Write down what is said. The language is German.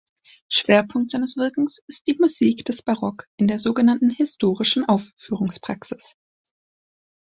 Schwerpunkt seines Wirkens ist die Musik des Barock in der sogenannten Historischen Aufführungspraxis.